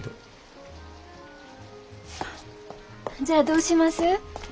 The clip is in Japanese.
じゃあどうします？